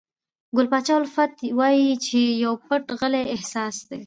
ګل پاچا الفت وایي چې پو پټ غلی احساس دی.